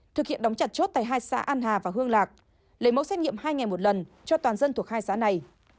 thực hiện đóng chặt chốt tại hai xã an hà và hương lạc lấy mẫu xét nghiệm hai ngày một lần cho toàn dân thuộc hai xã này